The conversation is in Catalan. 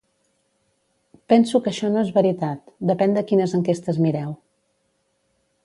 Penso que això no és veritat, depèn de quines enquestes mireu.